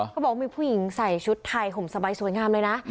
เขาบอกว่ามีผู้หญิงใส่ชุดไทยห่มสบายสวยงามเลยนะ